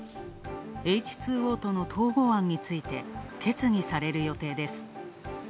Ｈ２Ｏとの統合案について決議される予定です。